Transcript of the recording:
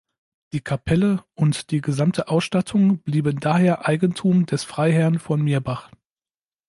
Die Kapelle und die gesamte Ausstattung blieben daher Eigentum des Freiherrn von Mirbach.